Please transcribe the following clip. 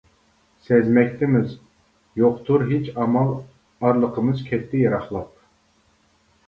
سەزمەكتىمىز، يوقتۇر ھېچ ئامال ئارىلىقىمىز كەتتى يىراقلاپ.